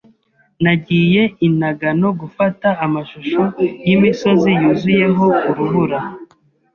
Nagiye i Nagano gufata amashusho y'imisozi yuzuyeho urubura.